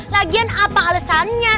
lagian apa alesannya